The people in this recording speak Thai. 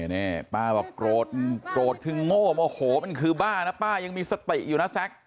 นี่ป้าบอกโกรธโกรธคือโง่โมโหมันคือบ้านะป้ายังมีสติอยู่นะแซ็ก